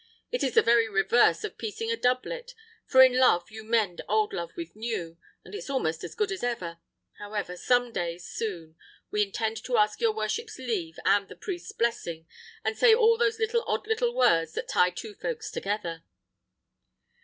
It is the very reverse of piecing a doublet; for in love you mend old love with new, and it's almost as good as ever. However, some day soon we intend to ask your worship's leave and the priest's blessing, and say all those odd little words that tie two folks together."